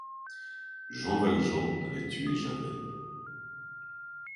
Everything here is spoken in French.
Jean Valjean avait tué Javert.